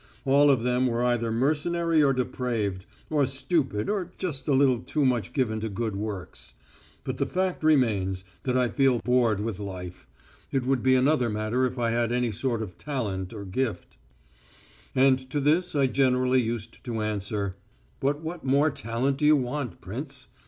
All of them were either mercenary or depraved, or stupid or just a little too much given to good works. But the fact remains, that I feel bored with life. It would be another matter if I had any sort of talent or gift." And to this I generally used to answer: "But what more talent do you want, prince?